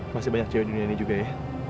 masih banyak cewek di dunia ini juga ya